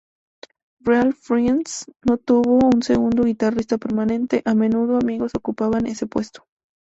Real Friends no tuvo un segundo guitarrista permanente, a menudo amigos ocupaban ese puesto.